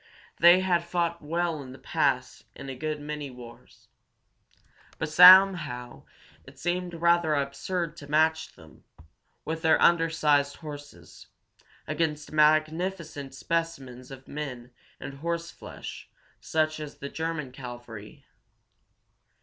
They had fought well in the past in a good many wars. But somehow it seemed rather absurd to match them, with their undersized horses, against magnificent specimens of men and horseflesh such as the German cavalry.